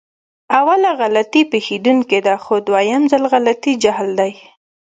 اوله غلطي پېښدونکې ده، خو دوهم ځل غلطي جهل دی.